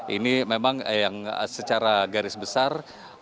ini memang yang secara garis besar